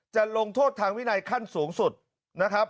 จะลงโทษทางวินัยขั้นสูงสุดนะครับ